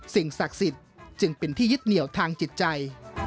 สิ่งศักดิ์สิทธิ์จึงเป็นที่ยึดเหนียวทางจิตใจ